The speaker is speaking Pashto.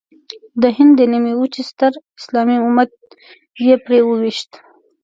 د هند د نیمې وچې ستر اسلامي امت یې پرې وويشت.